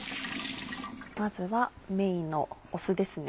まずはメインの酢ですね。